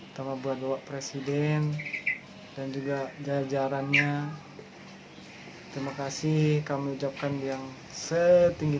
utama berdoa presiden dan juga jajarannya terima kasih kami ucapkan yang setinggi